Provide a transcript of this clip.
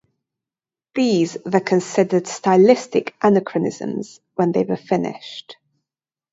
These were considered stylistic anachronisms when they were finished.